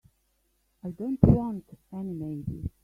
I don't want any maybe.